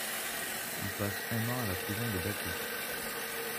Il passe un an à la prison de Bakou.